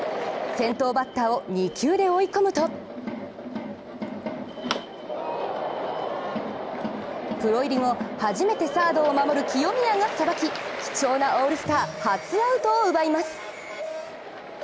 先頭バッターを２球で追い込むとプロ入り後初めてサードを守る清宮がさばき、貴重なオールスター初アウトを奪います。